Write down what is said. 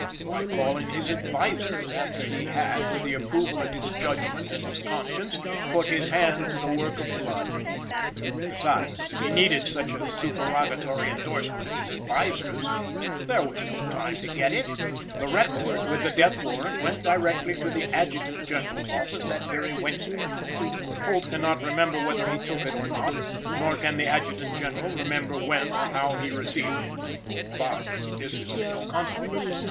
Why call in his "advisers" after he had, with the approval of his judgment and his conscience, put his hand to the work of blood! Besides, if he needed such a supererogatory endorsement of his "advisers," there was no time to get it. The record with the death warrant went direct to the Adjutant General's office that very Wednesday. Holt cannot remember whether he took it or not, nor can the Adjutant General remember when or how he received it. But this is of no consequence.